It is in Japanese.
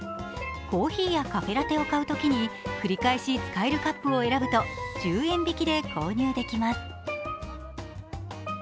コーヒーやカフェラテを買うときに繰り返し使えるカップを選ぶと１０円引きで購入できます。